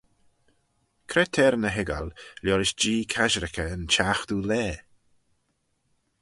Cre t'er ny hoiggal liorish Jee casherickey yn çhiaghtoo laa?